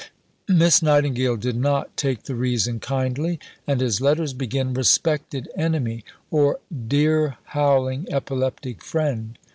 Miss Nightingale did not take the reason kindly, and his letters begin, "Respected Enemy" or "Dear howling epileptic Friend."